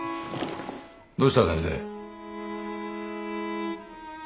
どうした先生。